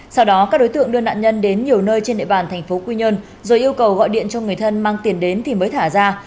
sau đó các đối tượng đưa nạn nhân đến nhiều nơi trên địa bàn thành phố quy nhơn rồi yêu cầu gọi điện cho người thân mang tiền đến thì mới thả ra